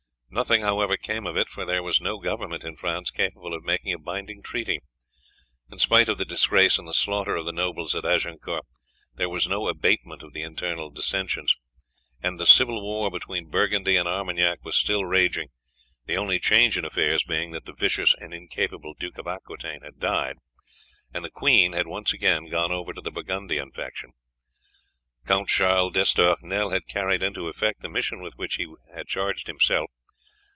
Nothing, however, came of it, for there was no government in France capable of making a binding treaty. In spite of the disgrace and the slaughter of the nobles at Agincourt there was no abatement of the internal dissensions, and the civil war between Burgundy and Armagnac was still raging, the only change in affairs being that the vicious and incapable Duke of Aquitaine had died, and the queen had once again gone over to the Burgundian faction. Count Charles d'Estournel had carried into effect the mission with which he had charged himself.